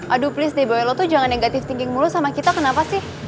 aduh please deh boy lo tuh jangan negative thinking mulu sama kita kenapa sih